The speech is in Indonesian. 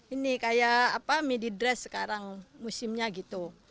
ini kayak apa medi dress sekarang musimnya gitu